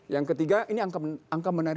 yang ketiga ini angka menarik